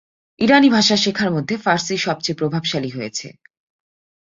ইরানী ভাষা শেখার মধ্যে ফার্সি সবচেয়ে প্রভাবশালী হয়েছে।